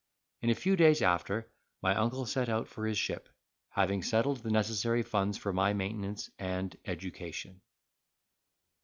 In a few days after, my uncle set out for his ship, having settled the necessary funds for my maintenance and education.